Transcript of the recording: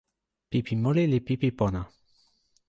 pipi moli li pipi pona.